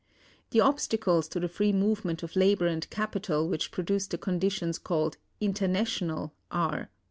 The obstacles to the free movement of labor and capital which produce the conditions called "international" are: 1.